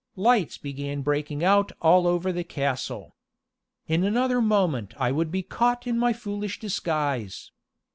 Lights began breaking out all over the castle. In another moment I should be caught in my foolish disguise.